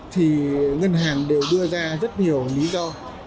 thì ngân hàng đều đưa ra rất nhiều lý do